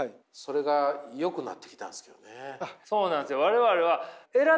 そうなんすよ。